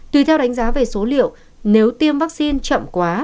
tùy theo đánh giá về số liệu nếu tiêm vaccine chậm quá